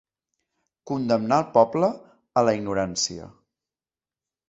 Condemnar el poble a la ignorància.